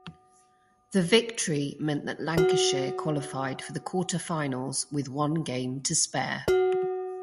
The victory meant that Lancashire qualified for the quarter-finals with one game to spare.